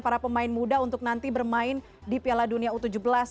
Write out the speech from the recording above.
para pemain muda untuk nanti bermain di piala dunia u tujuh belas